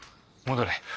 戻れ。